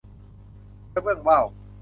กระเบื้องว่าว